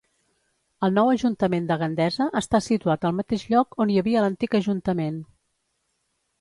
El nou Ajuntament de Gandesa està situat al mateix lloc on hi havia l'antic Ajuntament.